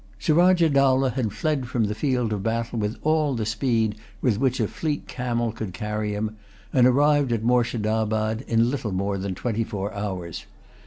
Surajah Dowlah had fled from the field of battle with all the speed with which a fleet camel could carry him, and arrived at Moorshedabad in little more than twenty four hours.